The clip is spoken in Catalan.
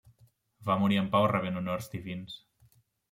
Va morir en pau rebent honors divins.